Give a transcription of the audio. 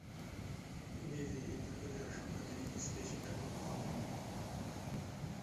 নিজেই এই দুর্গতির আশঙ্কা তিনি কিছুতেই স্বীকার করতে পারলেন না।